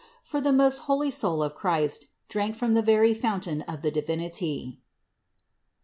For the most holy soul of Christ drank from the very fountain of the Divinity (Ps.